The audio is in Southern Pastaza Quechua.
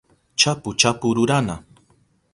chapu chapu rurana